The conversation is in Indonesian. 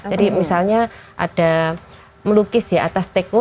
misalnya ada melukis di atas teko